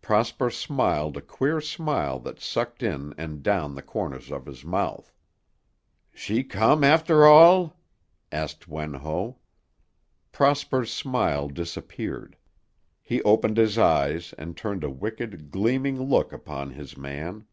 Prosper smiled a queer smile that sucked in and down the corners of his mouth. "She come after all?" asked Wen Ho. Prosper's smile disappeared; he opened his eyes and turned a wicked, gleaming look upon his man.